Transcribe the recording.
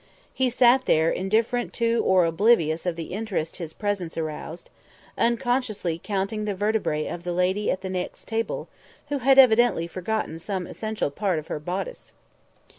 He sat there, indifferent to or oblivious of the interest his presence aroused, unconsciously counting the vertebrae of the lady at the next table, who had evidently forgotten some essential part of her bodice.